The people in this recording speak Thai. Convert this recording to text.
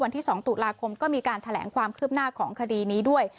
วันที่๒ตุลาคมก็มีการแถลงความคืบหน้าของคดีนี้ด้วย